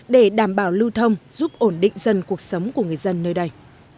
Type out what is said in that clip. để đảm bảo lưu thông giúp ổn định dân cuộc sống của người dân nơi đây